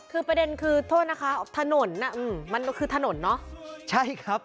คือประเด็นคือโทษนะคะถนนน่ะอืมมันคือถนนเนอะใช่ครับ